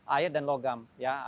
air dan logam